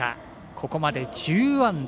ここまで１０安打。